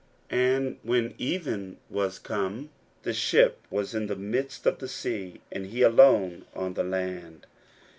41:006:047 And when even was come, the ship was in the midst of the sea, and he alone on the land.